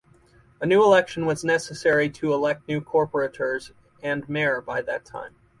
A new election was necessary to elect new Corporators and Mayor by that time.